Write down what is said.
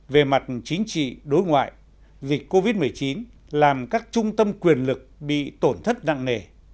về mặt chính trị đối ngoại dịch covid một mươi chín làm các trung tâm quyền lực bị tổn thất nặng nề